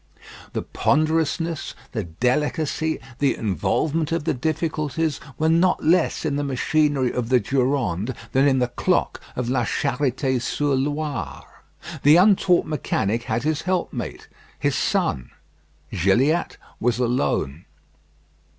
The ponderousness, the delicacy, the involvement of the difficulties were not less in the machinery of the Durande than in the clock of La Charité sur Loire. The untaught mechanic had his helpmate his son; Gilliatt was alone.